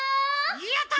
やった！